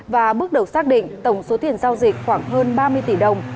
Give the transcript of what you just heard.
và bước đầu xác định tổng số tiền giao dịch khoảng hơn ba mươi tỷ đồng